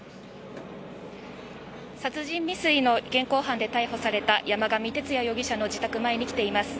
殺人未遂の現行犯で逮捕された山上徹也容疑者の自宅前に来ています。